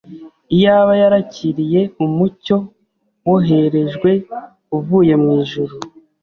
iyaba yarakiriye umucyo woherejwe uvuye mu ijuru,